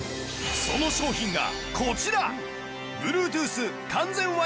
その商品がこちら！